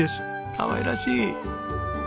かわいらしい。